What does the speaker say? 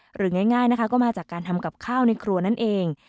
หรือง่ายนะคะก็มาจากการทำกับข้าวในครัวนั่นเอง